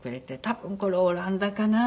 多分これオランダかな？